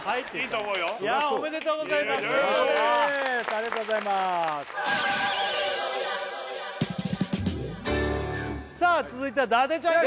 ありがとうございまーすさあ続いては伊達ちゃんい